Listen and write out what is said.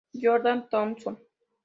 Jordan Thompson